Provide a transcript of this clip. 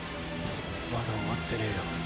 まだ終わってねえだろ。